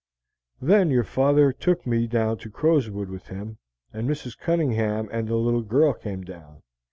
"Then your father took me down to Crowswood with him, and Mrs. Cunningham and the little girl came down.